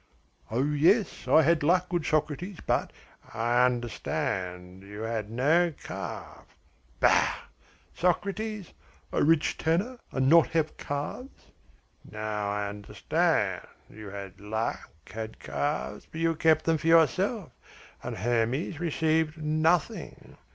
"Oh, yes, I had luck, good Socrates, but ". "I understand, you had no calf." "Bah! Socrates, a rich tanner and not have calves?" "Now I understand. You had luck, had calves, but you kept them for yourself, and Hermes received nothing."